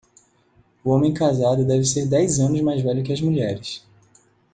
O homem casado deve ser dez anos mais velho que as mulheres.